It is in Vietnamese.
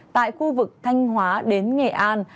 tại khu vực thanh hóa đến nghệ an